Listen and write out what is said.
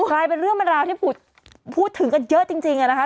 กลายเป็นเรื่องบรรลาวที่หมุดพูดถึงกันเยอะจริงจริงอ่ะนะคะ